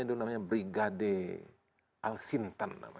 itu namanya brigade al sintan namanya